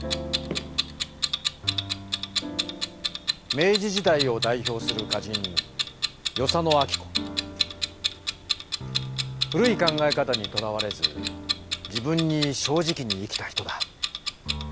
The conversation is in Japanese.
明治時代を代ひょうする歌人古い考え方にとらわれず自分に正直に生きた人だ。